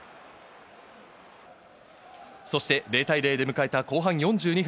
そして０対０で迎えた後半４２分。